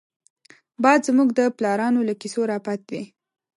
باد زمونږ د پلارانو له کيسو راپاتې دی